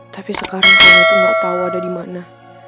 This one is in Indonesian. tapi sekarang kalung itu gak tau ada dimana